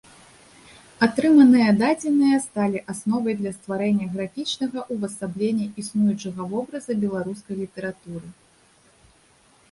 Атрыманыя дадзеныя сталі асновай для стварэння графічнага ўвасаблення існуючага вобраза беларускай літаратуры.